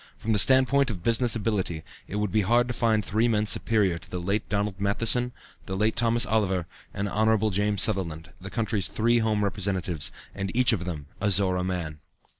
From the standpoint of business ability, it would be hard to find three men superior to the late Donald Matheson, the late Thomas Oliver, and Hon. James Sutherland, the county's three home representatives, and each of them a Zorra man.